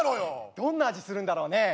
どんな味するんだろうね？